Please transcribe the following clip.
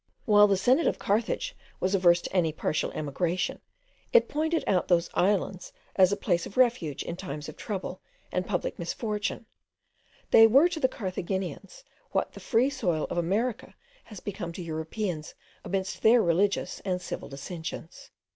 While the senate of Carthage was averse to any partial emigration, it pointed out those islands as a place of refuge in times of trouble and public misfortune; they were to the Carthaginians what the free soil of America has become to Europeans amidst their religious and civil dissensions.